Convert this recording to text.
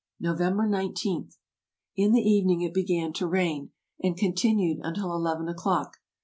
.." November ig. — In the evening it began to rain, and continued until eleven o'clock.